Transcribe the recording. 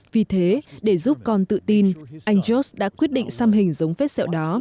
vì thế để giúp con tự tin anh josh đã quyết định xăm hình giống vết sẹo đó